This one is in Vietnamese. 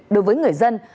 đối với người dân